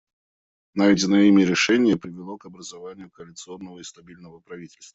Найденное ими решение привело к образованию коалиционного и стабильного правительства.